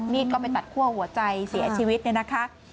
ก็ไปตัดคั่วหัวใจเสียชีวิตเนี่ยนะคะ